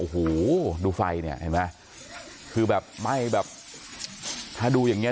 โอ้โหดูไฟเนี้ยเห็นไหมก็คือแบบไหมแบบถ้าดูแบบนี้